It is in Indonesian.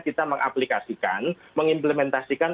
kita mengaplikasikan mengimplementasikan